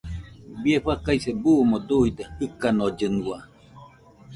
Bie faikase buuno duide jɨkanollɨnua.